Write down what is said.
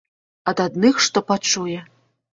Ад адных што пачуе.